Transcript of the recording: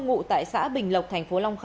ngụ tại xã bình lộc tp hcm